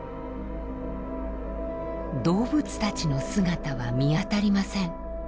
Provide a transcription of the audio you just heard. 動物たちの姿は見当たりません。